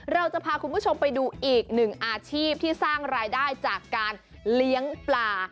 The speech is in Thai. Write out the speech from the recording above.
เราจะพาคุณผู้ชมไปดูอีกหนึ่งอาชีพที่สร้างรายได้จากการเลี้ยงปลา